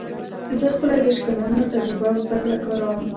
زه خپله دېرش کلنه تجربه او زده کړه کاروم